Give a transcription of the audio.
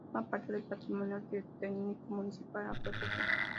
Forma parte del patrimonio arquitectónico municipal a proteger.